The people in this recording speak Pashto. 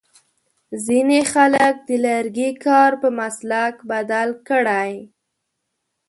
ځینې خلک د لرګي کار په مسلک بدل کړی.